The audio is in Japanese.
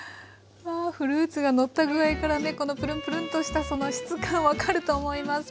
わあフルーツがのった具合からねこのプルンプルンとしたその質感分かると思います。